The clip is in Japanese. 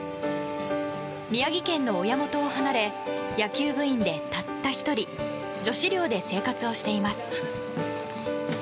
宮城県の親元を離れ野球部員で、たった１人女子寮で生活をしています。